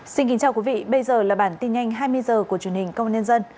xin kính chào quý vị bây giờ là bản tin nhanh hai mươi h của truyền hình công an nhân dân